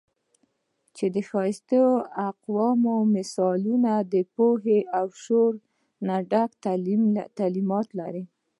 چې د ښائسته اقوالو، مثالونو د پوهې او شعور نه ډک تعليمات لري